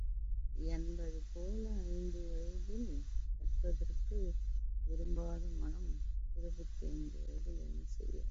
என்பது போல, ஐந்து வயதில் கற்பதற்கு விரும்பாத மனம், இருபத்தி ஐந்து வயதில் என்ன செய்யும்?